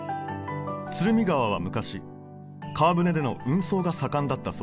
川は昔川船での運送が盛んだったそうです